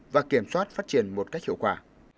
và kiểm soát phát triển một cách hiệu quả